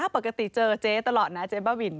ปกติเจอเจ๊ตลอดนะเจ๊บ้าบิน